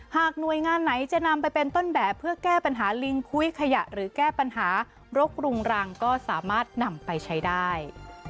หากหน่วยงานไหนจะนำไปเป็นต้นแบบเพื่อแก้ปัญหาลิงคุ้ยขยะหรือแก้ปัญหารกรุงรังก็สามารถนำไปใช้ได้